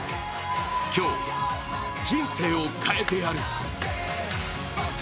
今日、人生を変えてやる。